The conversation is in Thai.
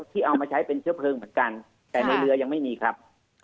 ที่เอามาใช้เป็นเชื้อเพลิงเหมือนกันแต่ในเรือยังไม่มีครับ